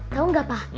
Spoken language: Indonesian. tau gak pak